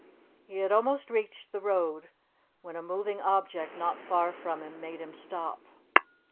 He had almost reached the road, when a moving object not far from him made him stop.